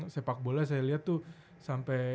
sepak bola saya lihat tuh sampai